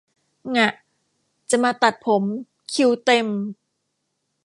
ง่ะ จะมาตัดผม คิวเต็ม